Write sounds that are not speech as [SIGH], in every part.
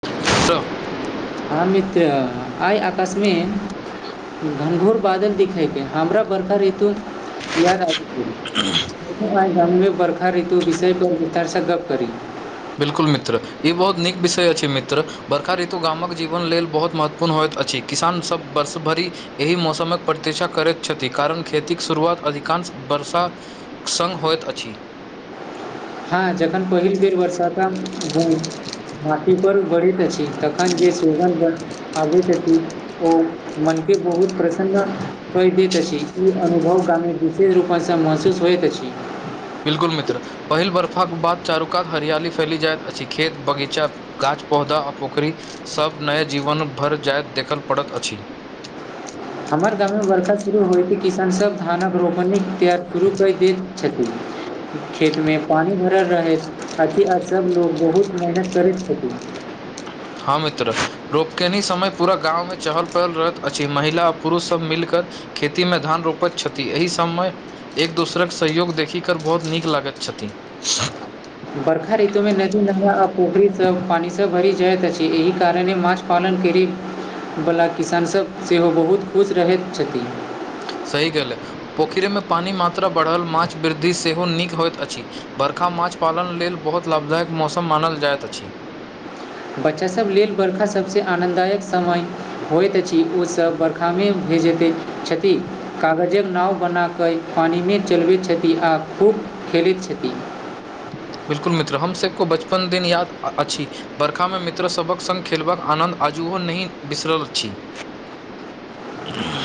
त हम मित्र आइ आ इ अकस्मिन घनघोर बादल दिखयके हमरा वर्षा ऋतु याद आबि गेल ह गाममे बर्खा ऋतु विषय पर विचार स गप करी बिल्कुल मित्र ई बहुत नीक विषय अछि मित्र बरखा ऋतु गामक जीवन लेल बहुत महत्वपूर्ण होइत अछि किसान सब वर्ष भरि एहि मौसमक प्रतीक्षा करैत छथि कारण खेतिक शुरुआत अधिकांश वर्षा सङ्ग होइत अछि हँ जखन पहिल बेर बरसाता हो माटि पर परैट अछि तखन जे माटि कें सुगंध ओ मनके बहुत प्रसन्न कहि दैत अछि ई अनुभव गामी विशेष रूपसँ महसूस होइत अछि बिलकुल मित्र पहिल बर्फाक बाद चारू कात हरियाली फैल जाइत अछि खेत बगीचा गाछ पौधा आ पोखरि सब नय जीवन भरि जाय देखल पड़ैत अछि हमर गाममे बर्षा शुरू होयके किसानसभ धानक रोपणीक तैयार शुरू कऽ दैत छथि खेत मे पानी भरल रहैत अथी सब लोग बहुत मेहनत करैत छथिन हँ मित्र रोपकेनी समय पूरा गाँवमे चहल पहल रहैत अछि महिला आ पुरुषसभ मिलकर खेती मे धान रोपैत छथि एहि समय एक दोसरक सहयोग देखी कर बहुत नीक लागैत छथिन बर्खा ऋतुमे नदी नजा पोखरी सब पानि सब भरि जाइत अछि एहि कारण मछ पालन करैवला किसानसभ सेहो बहुत खुश रहैत छथि सही गेलै पोखरि मे पानी मात्रा बढ़ल माछ वृद्धि सेहो नीक होइत अछि बरखा माछ पालन लेल बहुत लाभदायक मौसम मानल जाइत अछि बच्चासभ लेल बर्षा सभसँ आनन्ददायक समय होइत अछि ओसभ वर्खामे भे जेतै छथि कागजके नाव बनाकऽ पानिमे चलबैत छथि आ खूब खेलैत छथि बिल्कुल मित्र हम सभको बचपन दिन याद अछि बरखामे मित्रसभक सङ्ग खेलबाक आनन्द आजुओ नहि बिसरल छी ह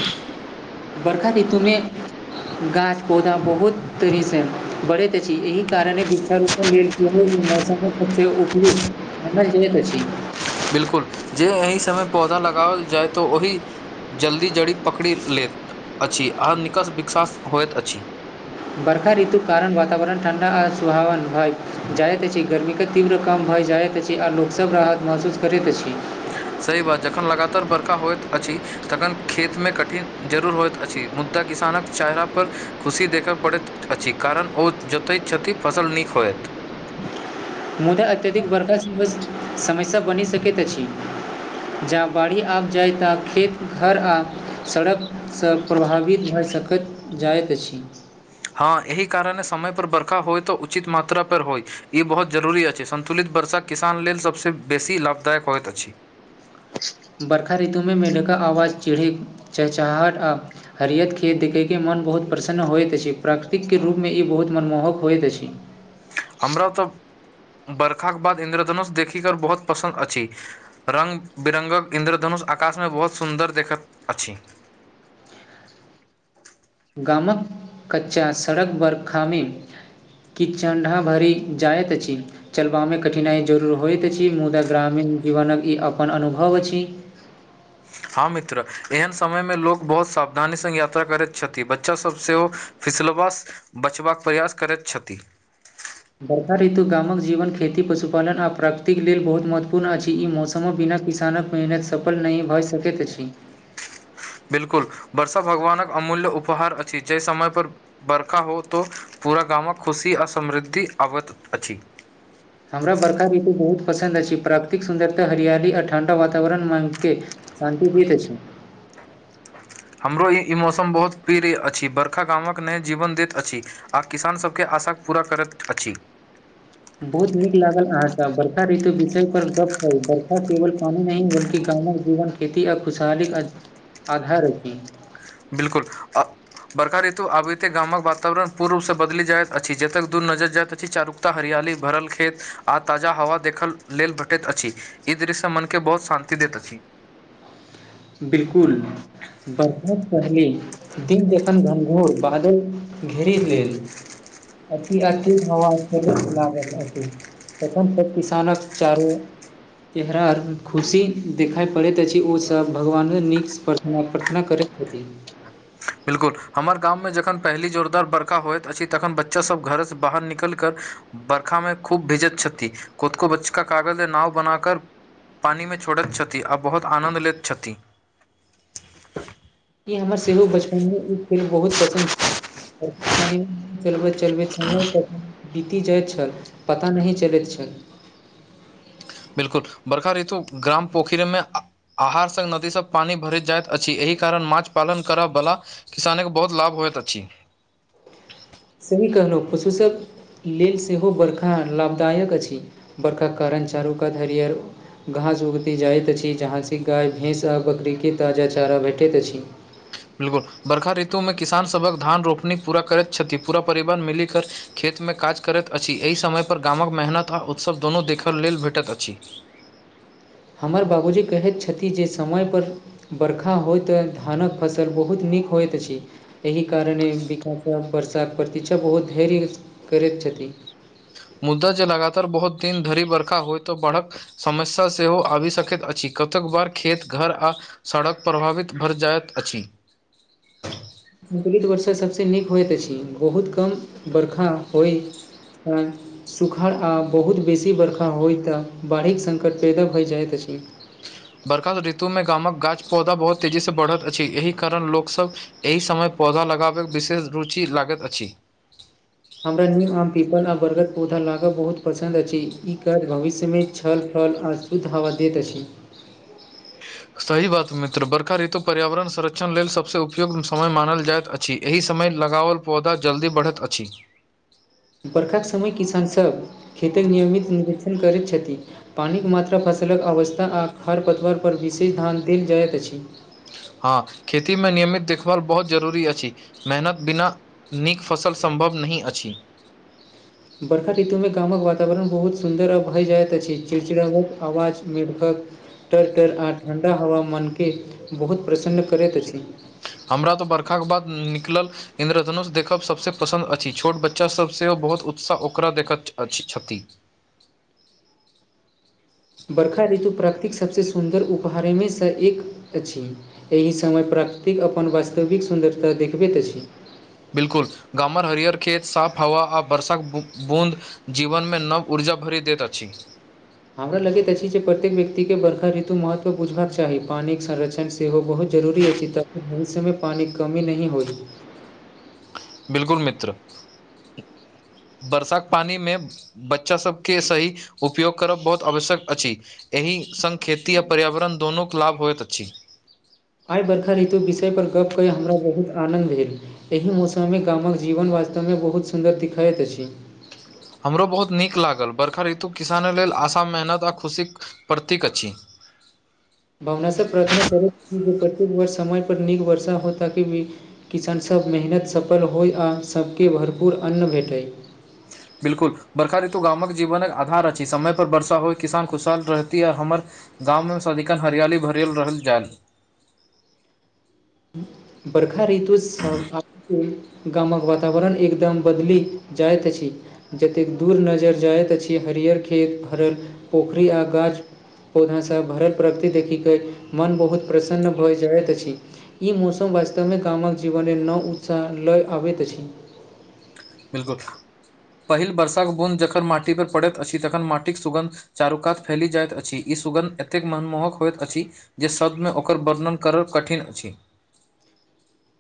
बरखा ऋतुमे गाछ पौधा बहुत तेजी से बढ़ैत अछि एहि कारणे बिा रूप मौसमके प्रति उपयुक्त हम जनैत अछि बिलकुल जे एहि समय पौधा लगाओल जाय तऽ ओहि जल्दी जड़ी पकड़ि लैत अछि आर निकस विकसास होइत अछि बरखा ऋतु कारण वातावरण ठण्डा आ सुहावन भए जाइत अछि गर्मी के तीव्र कम भए जायइत अछि जे आ लोकसभ राहत महसूस करैत अछि सही बात जखन लगातार बरका होइत अछि तखन खेतमे कठिन जरूर होइत अछि मुदा किसानक चेहरा पर खुशी देखय पड़ैत अछि कारण ओ जोतैत छथि फसल नीक होयत मुदा अत्यधिक बर्खा सम समस्या बनि सकैत अछि जँ बाढ़ि आब जाय तऽ खेत घर आ सड़कसँ प्रभावित भए सकैत जाइत अछि हँ एहि कारण समय पर बर्खा होइ त उचित मात्रा पर होइ ई बहुत जरूरी अछि संन्तुलित वर्षा किसान लेल सभसँ बेसी लाभदायक होइत अछि बरखा ऋतुमे मेढ़का आवाज चिढ़ी चहचहट आ हरियत खेत देखयके मोन बहुत प्रसन्न होइत अछि प्राकृतिके रूपमे ई बहुत मनमोहक होइत अछि हमरा तऽ बर्खाक के बाद इन्द्रधनुष देखिकर बहुत पसन्द अछि रंग बिरंगक इंन्द्रधनुष आकाश मे बहुत सुन्दर देखैत अछि गामक कच्चा सड़क बरखा मे की चण्डा भरि जाइत अछि चलबामे कठिनाइ जरूर होइत अछि मुदा ग्रामीण जीवनक ई अपन अनुभव अछि हँ मित्र एहन समय मे लोक बहुत सावधानी संग यात्रा करैत छथि बच्चा सब सेहो फिसलबास बचबाक प्रयास करैत छथि वर्षा ऋतु गामक जीवन खेती पशुपालन आ प्रकृतिक लेल बहुत महत्वपूर्ण अछि ई मौसमो बिना किसानक मेहनत सफल नहि भऽ सकैत अछि बिलकुल वर्षा भगवानक अमूल्य उपहार अछि जे समय पर बरखा हो तऽ पूरा गामक खुशी आ समृद्धि आबैत अछि हमरा बर्खा ऋतु बहुत पसंन्द अछि प्राकृित सुन्दरता हरियाली आ ठण्डा वातावरण माग के शान्ति भीत अछि हमरो ई ई मौसम बहुत प्रिय अछि बर्खा गामक नहि जीवन दैत अछि आ किसान सबके आशाक पूरा करैत अछि बहुत नीक लागल अहाँ सब बरखा ऋतु विषय पर गप कर बरषा केवल पानि नहि बल्कि गामक जीवन खेती आ खुशहाली आ आधार रखी बिलकुल आ बर्खा ऋतु आबिते गामक वातावरण पूर्ण रूपसँ बदलि जाइत अछि जतेक दूर नजरि जायइत अछि चारू ओतऽ हरियाली भरल खेत आ ताजा हवा देखल लेल भेटैत अछि ई दृश्य मन के बहुत शान्ति देत अछि बिलकुल [UNINTELLIGIBLE] दिन जखन घनघौर बादल घेरी लेल अथी अथी हवा [UNINTELLIGIBLE] प्रखम त किसानक चारू चहरा खुशी देखाय पड़ैत अछि ओस तऽ भगवाने नीकसँ प्रथना प्रार्थना करै छथिन बिलकुल हमर गाममे जखन पहिले जोरदार बर्खा होइत अछि तखन बच्चासभ घरे सँ बाहर निकल कर बर्खा में खूब भिजत छति कोतको बच्चा का कागज नाव बना कर पानिमे छोड़ैत छथि आ बहुत आनन्द लैत छथि ई हमर सेहो बचपन मे ई फिल्म बहुत पसन्द छै पानी चलबैत चलबैत समय बीति जाइत छल पता नहि चलैत छल बिलकुल बर्खा ऋतु ग्राम पोखरिमे आ आहार स् नदीसँ पानि भरैत जाइत अछि एहि कारण माछ पालन करय बला किसानक बहुत लाभ होयत अछि सही कहलू पशू सब लेल सेहो बरखा लाभदायक अछि वरखाक कारण चारू कात हरियर घास उगती जाइत अछि जहाँ सँ गाय भैंस आ बकरीके ताजा चारा भेटैत अछि बिलकुल बर्खा ऋतुमे किसान सभक धान रोपनी पूरा करैत छथि पूरा परिवार मिलि कर खेत में काज करैत अछि एहि समयपर गामक मेहनत आ उत्सव दुनू देखय लेल भेटैत अछि हमर बाबूजी कहैत छथि जे समयपर बरखा होइत धानक फसल बहुत नीक होइत अछि एहि कारणे विकास वर्षाक प्रतीक्षा बहुत धैर्य करैत छथिन मुद्दा जे लगातार बहुत दिन धरी बर्खा होइ त बाढ़क समस्या सेहो आबि सकैत अछि कतेक बार खेत घर आ सड़क प्रभावित भर जायइत अछि संकलित वर्षा सबसँ नीक होइत अछि बहुत कम बरखा होइ ऐ सुखाड़ आ बहुत बेसी बरखा होय तऽ बाढ़िक संकट पैदा भऽ जाइत अछि बरखा ऋतु मे गामक गाछ पौधा बहुत तेजीसँ बढ़त अछि एहि कारण लोक सब एहि समय पौधा लगाबै विशेष रुचि लागैत अछि हमरा न्यू आम पीपल आ बरगद पौधा लागऽ बहुत पसन्द अछि ई काज भविष्यमे छल फल आ शुद्ध हवा दैत अछि सही बात मित्र बर्खा ऋतु पर्यावरण संरक्षण लेल सभसँ उपयोग्त समय मानल जाइत अछि अछि एहि समय लगाओल पौधा जल्दी बढ़ैत अछि बर्खाक समय किसानसभ खेतक नियमित निरीक्षण करैत छथि पानिक मात्रा फसलक अवस्था आ खर पतवरपर विशेष ध्यान देल जाइत अछि हँ खेती मे नियमित देखभाल बहुत जरूरी अछि मेहनत बिना नीक फसल सम्भव नहि अछि बड़खा ऋतुमे गामक वातावरण बहुत सुन्दर आ भए जाइत अछि चिड़चिड़ावक आवाज मर्खक तटर तर आ ठण्डा हवामानके बहुत प्रसन्न करैत अछि हमरा तऽ बर्खाके बाद निकलल इंन्द्रधनुष देखब सबसे पसन्द अछि छोट बच्चा सब सेहो बहुत उत्साह ओकरा देखत छथि बरखा ऋतु प्राकृतिक सभसँ सुन्दर उपहारमेसँ एक अछि एहि समय प्राकृतिक अपन वास्तविक सुन्दरता देखबैत अछि बिल्कुल गामर हरिहर खेत साफ हवा आ बर्षाक बूँद जीवन मे नव ऊर्जा भरि देैत अछि हमरा लगैत अछि जे प्रत्येक व्यक्तिके वर्षा ऋतु महत्व बुझबाक चाही पानिक संरक्षण सेहो बहुत जरूरी अछि ताकि ओहि समय पानिके कमी नहि होइ बिलकुल मित्र वर्षा क पानी मे बच्चा सभके सही उपयोग करब बहुत आवश्यक अछि एहि संग खेती आ पर्यावरण दुनूक लाभ होइत अछि आइ बरखा ऋतु विषय पर गप क हमरा बहुत आनंद भेल एहि मौसम मे गामक जीवन वास्तव मे बहुत सुन्दर दिखाइत अछि हमरो बहुत नीक लागल बरखा ऋतु किसाने लेल आशा मेहनत आ खुशीके प्रतीक अछि भावनासँ प्रार्थना करे कतेक वर्ष समय पर नीक वर्षा हो ताकि किसानसभ मेहनत सफल होइ आ सबके भरपूर अन्न भेटय बिल्कुल बरखा ऋतु गामक जीवन एक आधार अछि समय पर वर्षा होइ किसान खुशहाल रहती आ हमर गाम मे सदिकन हरियाली भरियल रहल जैत बर्खा ऋतु गामक वातावरण एकदम बदलि जाइत अछि जतेक दूर नज़र जाइत अछि हरियर खेत हरहर पोखरि आ गाछ पौधा सा भरल प्रकृति देखिक के मन बहुत प्रसन्न भए जाइत अछि ई मौसम वास्तवमे गामक जीवनमे नओ उत्साह लय आबैत अछि बिल्कुल पहिल वर्षाके बुंद जखन माटी पर पड़ैत अछि तखन माटिक सुगन्ध चारुकात फैली जाइत अछि ई सुगन्ध एतेक मनमोहक होइत अछि जे शदमे ओकर वर्णन करब कठिन अछि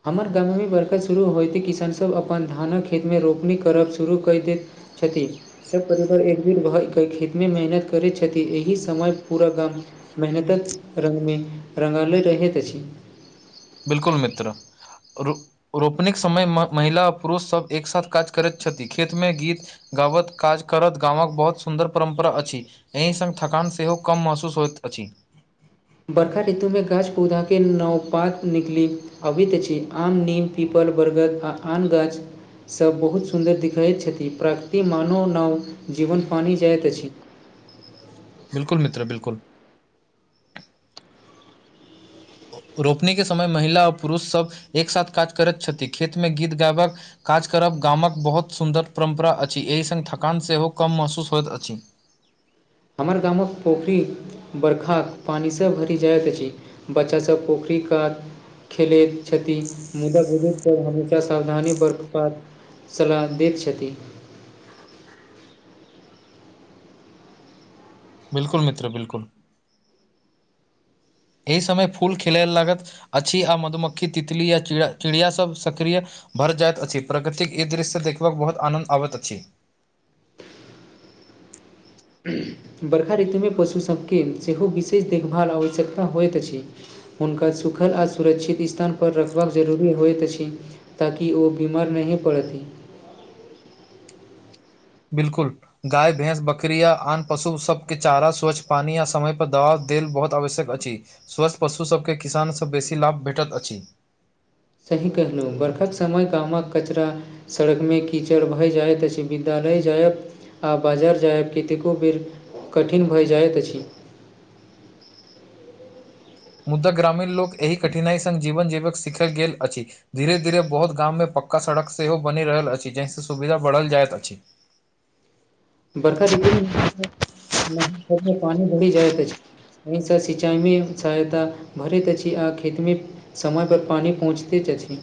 हमर गाममे बरखा शुरू होय त किसानसभ अपन धानक खेतमे रोपनी करब शुरू क देैत क्षति सब परिवार एकजुट भ क खेत मे मेहनत करै छथि एहि समय पूरा गाम मेहनतक रङ्गमे रङ्गालैत रहैत अछि बिल्कुल मित्र रोपन समय महिला आ पुरुष सभ एकसथ काज करैत छथि खेतमे गीत गवत काज करत गाँवक बहुत सुन्दर परंम्परा अछि एहि सङ्ग थकान सेहो कम महसूस होइत अछि बर्खा ऋतुमे गाछ पौधा के नवपात निकली अभी तऽ छी आम नीम पीपल बरगद आ आम गाछ सभ बहुत सुन्दर देखिखैत छथि प्राकृति मानव नाव जीवन पानी जाइत अछि बिलकुल मित्र बिलकुल रोपनी के समय महिला आ पुरुष सभ एक साथ काज करैत छथि खेतमे गीत गाबक काज करब गामक बहुत सुन्दर परम्परा अछि एहि संग थकान सेहो कम महसूस होइत अछि हमर गामक पोखरी बरखाक पानिसँ भरि जाइत अछि बच्चा सभ पोखरि कात खेलैत छथि मुदा बुुदुर सभ हमेशा सावधानी बर्खपात सलाह दैत छथि बिलकुल मित्र बिलकुल एहि समय फूल खिलेल लागत अछि आ मधुमक्खी तितली या कीड़ा चिड़िया सब सक्रिय भर जाइत अछि प्रकृतिक ई दृश्य देखबाक बहुत आनन्द आबैत अछि [UNINTELLIGIBLE] बरखा ऋतुमे पशु सभके सेहो विशेष देखभाल आ आवश्यकता होइत अछि हुनका सुखल आ सुरक्षित स्थान पर रखबाक जरूरी होइत अछि ताकि ओ बीमार नहि पड़त बिलकुल गाय भैंस बकड़ीया आन पशु सबके चारा स्वच्छ पानी आ समय पर दवा देल बहुत आवश्यक अछि स्वस्थ पशु सभ के किसान सभ बेसी लाभ भेटैत अछि सही कहलहुँ बर्खाक समय गामक कचरा सड़कमे कीचड़ भए जायत अछि विद्यालय जायत आ बाजार जायब कतेको बेर कठिन भऽ जाइत अछि मुद्दा ग्रामीण लोक एहि कठिनाई संग जीवन जीवक सीखल गेल अछि धीरे धीरे बहुत गाममे पक्का सड़क सेहो बनि रहल अछि जहिसँ सुविधा बढ़ल जाइत अछि बर्खा ऋतु [UNINTELLIGIBLE] पानी भरी जाइ अछी एहिस सिंचाई मे सहायता भरैत अछि आ खेतमे समय पर पानि पहुँचते अछि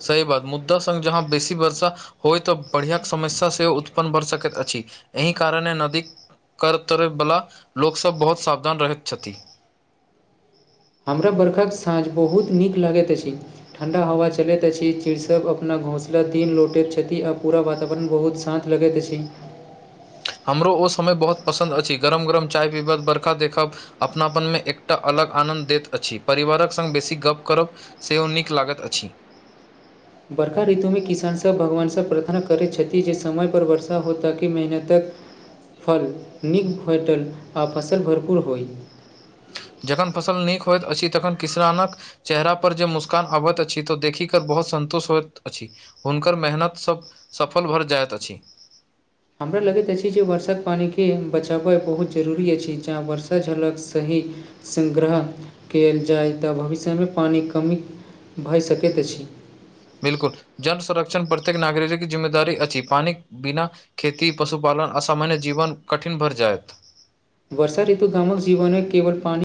सही बात मुद्दा सग जहाँ बेसी वर्षा होइ तऽ बढ़िआँ समस्या सेहो उत्पन्न बर सकैत अछि एहि कारणे नदी करते बला लोक सब बहुत सावधान रहैत छथि हमरा बरखाक साँझ बहुत नीक लगैत अछि ठण्डा हवा चलैत अछि चीड सब अपना घोसला दिन लौटैत छथि आ पूरा वातावरण बहुत शान्त लगैत अछि हमरो ओ समय बहुत पसन्द अछि गरम गरम चाय पीबत बरखा देखब अपनापनमे एकटा अलग आनन्द दैत अछि परिवारक संग बेसी गप करब सेहो नीक लागत अछि बरका ऋतु मे किसान सब भगवानसँ प्रार्थना करै छथि जे समय पर वर्षा हो ताकी मेहनतक फल नीक भेटल आ फसल भरपूर होइ जखन फसल नीक होइत अछि तखन किसानक चेहरा पर जब मुस्कान अबैत अछि तो देखि कर बहुत सन्तुष्ट होइत अछि हुनकर मेहनतसभ सफल भरि जाइत अछि हमरा लगैत अछि जे वर्षाक पानिके बचाबय बहुत जरूरी अछि जहाँ वर्षा झलक सही संग्रह कयल जाय तऽ भविष्यमे पानिक कमी भऽ सकैत अछि बिलकुल जन संर्षण प्रत्येक नागरिकके जिम्मेदारी अछि पानिक बिना खेती पशुपालन असामान्य जीवन कठिन भर जायत वर्षा ऋतु गामक जीवन केवल पानी